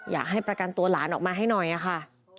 อยากให้ประกันตัวหลานออกมาให้หน่อยค่ะ